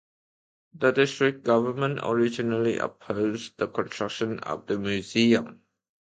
The district government originally opposed the construction of the museum.